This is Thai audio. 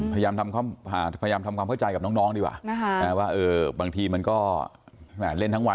พยายามทำความเข้าใจกับน้องดีกว่าว่าบางทีมันก็เล่นทั้งวัน